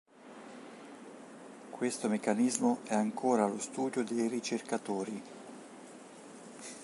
Questo meccanismo è ancora allo studio dei ricercatori.